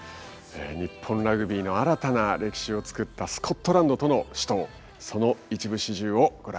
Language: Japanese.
日本ラグビーの新たな歴史を作ったスコットランドとの死闘その一部始終をご覧ください。